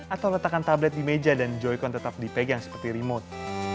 atau letakkan tablet di meja dan joycon tetap dipegang seperti remote